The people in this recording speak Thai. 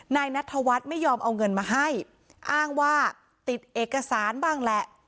นายนัทธวัฒน์ไม่ยอมเอาเงินมาให้อ้างว่าติดเอกสารบ้างแหละ